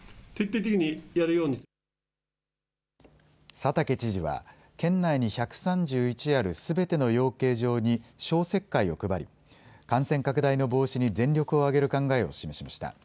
佐竹知事は県内に１３１あるすべての養鶏場に消石灰を配り感染拡大の防止に全力を挙げる考えを示しました。